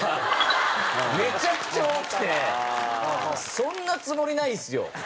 そんなつもりないんですよ。